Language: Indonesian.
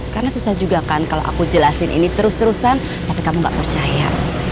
karena susah juga kan kalau aku jelasin ini terus terusan tapi kamu gak percaya